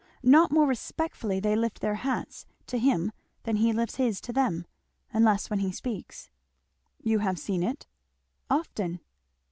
Not more respectfully they lift their hats to him than he lifts his to them unless when he speaks." "You have seen it?" "Often."